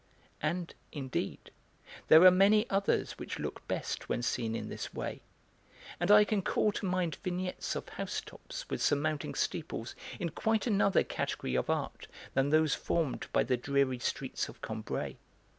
And, indeed, there are many others which look best when seen in this way, and I can call to mind vignettes of housetops with surmounting steeples in quite another category of art than those formed by the dreary streets of Combray.